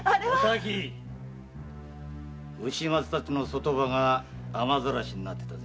牛松たちの卒塔婆が雨ざらしになってたぜ。